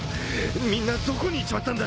みんなどこに行っちまったんだ？